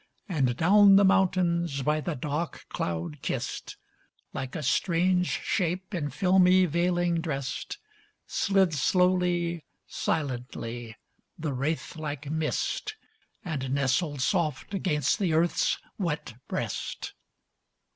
And down the mountains by the dark cloud kissed, Like a strange shape in filmy veiling dressed, Slid slowly, silently, the wraith like mist, And nestled soft against the earth's wet breast.